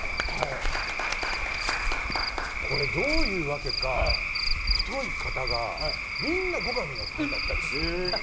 これどういうわけか太い方がみんな後上のファンだったりする。